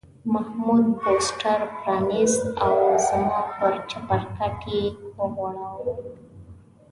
محمود پوسټر پرانیست او زما پر چپرکټ یې وغوړاوه.